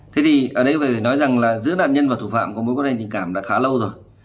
thế thì ở đây phải nói rằng là giữa nạn nhân và thủ phạm có mối quan hệ tình cảm đã khá lâu rồi